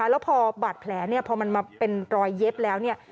แล้วพอบาดแผลเนี่ยพอมันมาเป็นรอยเย็บแล้วเนี่ย